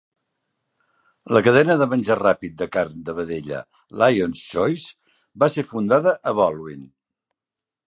La cadena de menjar ràpid de carn de vedella Lion's Choice va ser fundada a Ballwin.